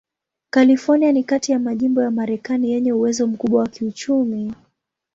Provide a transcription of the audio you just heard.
California ni kati ya majimbo ya Marekani yenye uwezo mkubwa wa kiuchumi.